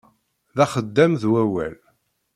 D axeddam d wawal.